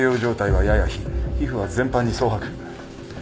皮膚は全般に蒼白。